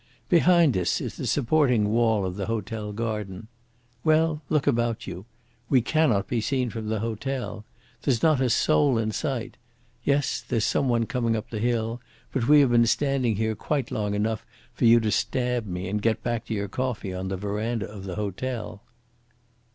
Behind us is the supporting wall of the hotel garden. Well, look about you. We cannot be seen from the hotel. There's not a soul in sight yes, there's some one coming up the hill, but we have been standing here quite long enough for you to stab me and get back to your coffee on the verandah of the hotel."